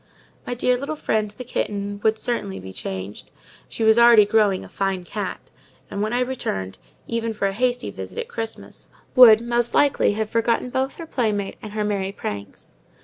My dear little friend, the kitten, would certainly be changed: she was already growing a fine cat; and when I returned, even for a hasty visit at Christmas, would, most likely, have forgotten both her playmate and her merry pranks.